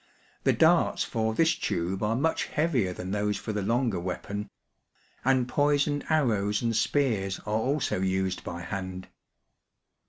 The darts for this tube are much heavier than those for the longer weapon ; and poisoned arrows and spears are also used by hand.